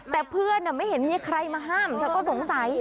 แต่เพื่อนไม่เห็นมีใครมาห้ามเธอก็สงสัย